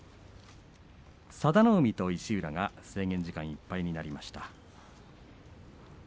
佐田の海と石浦が制限時間いっぱいになりました。